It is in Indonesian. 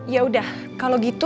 yaudah kalo gitu